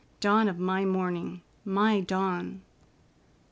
Dawn of my morning! My Dawn!"